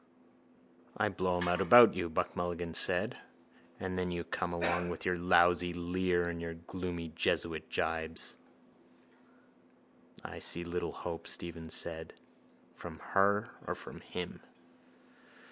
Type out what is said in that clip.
—I blow him out about you, Buck Mulligan said, and then you come along with your lousy leer and your gloomy jesuit jibes. —I see little hope, Stephen said, from her or from him.